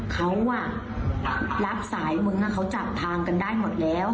เขารับสายมึงเขาจับทางกันได้หมดแล้ว